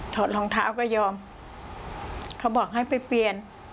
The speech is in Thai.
รองเท้าก็ยอมเขาบอกให้ไปเปลี่ยน